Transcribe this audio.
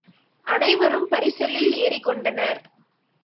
அனைவரும் பரிசலில் ஏறிக்கொண்டனர்.